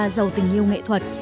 giàu tình yêu nghệ thuật